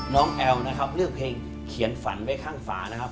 แอลนะครับเลือกเพลงเขียนฝันไว้ข้างฝานะครับ